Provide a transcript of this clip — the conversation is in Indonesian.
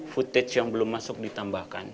footage yang belum masuk ditambahkan